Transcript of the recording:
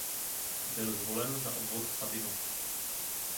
Byl zvolena za obvod Sabinov.